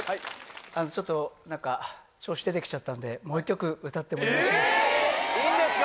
ちょっと何か調子出てきちゃったんでもう１曲歌ってもよろしいでしょうか？